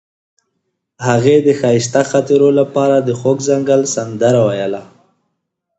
هغې د ښایسته خاطرو لپاره د خوږ ځنګل سندره ویله.